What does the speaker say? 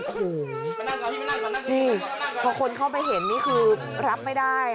โอ้โหนี่พอคนเข้าไปเห็นนี่คือรับไม่ได้